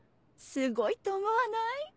すごいと思わない？